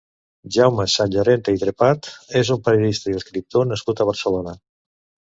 Jaume Sanllorente i Trepat és un periodista i escriptor nascut a Barcelona.